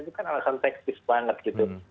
itu kan alasan teknis banget gitu